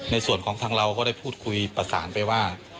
ในส่วนของทางเราก็ได้พูดคุยประสานไปว่า